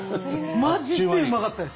マジでうまかったです。